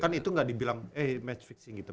kan itu gak dibilang match fixing gitu